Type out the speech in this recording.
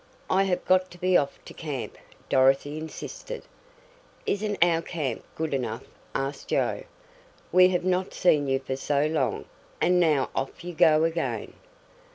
I have got to be off to camp," Dorothy insisted. "Isn't our camp good enough?" asked Joe. "We have not seen you for so long and now off you go again."